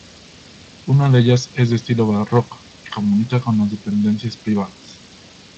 Una de ellas es de estilo barroco y comunica con las dependencias privadas.